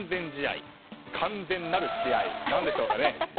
完全なる試合、何でしょうかね。